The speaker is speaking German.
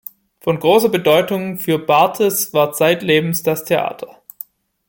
Von großer Bedeutung für Barthes war zeitlebens das Theater.